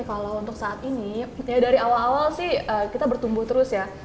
kalau untuk saat ini dari awal awal sih kita bertumbuh terus ya